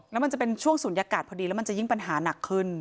แล้วมันจะเป็นช่วงศูนยากาศพอดีแล้วมันจะยิ่งปัญหาหนักขึ้น